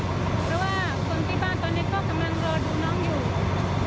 เพราะว่าคนที่บ้านตอนนี้ก็กำลังรอดูน้องอยู่